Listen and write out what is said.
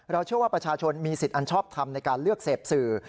เชื่อว่าประชาชนมีสิทธิ์อันชอบทำในการเลือกเสพสื่อ